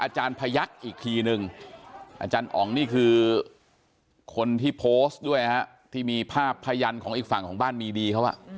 อาจารย์อ๋องนี่คือคนที่โพสต์ด้วยครับที่มีภาพพยันตร์ของอีกฝั่งของบ้านมีดีครับ